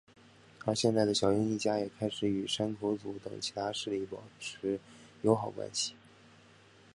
而现在的小樱一家也开始与山口组等其他势力保持友好关系。